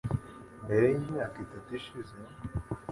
Mbere y'imyaka itatu ishize,